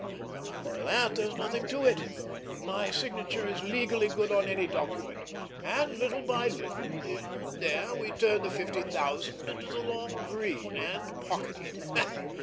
Well, after that, there's nothing to it! My signature is legally good on any document, and little by little, here and there, we turn the fifty thousand into the long green—and pocket it.